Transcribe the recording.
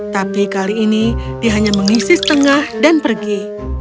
tapi kali ini dia hanya mengisi setengah dan pergi